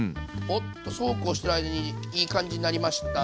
おっとそうこうしてる間にいい感じになりました。